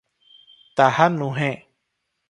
ତାହା ନୁହେଁ ।